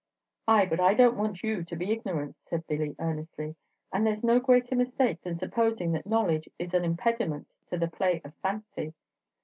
"Ay, but I don't want you to be ignorant," said Billy, earnestly; "and there's no greater mistake than supposing that knowledge is an impediment to the play of fancy.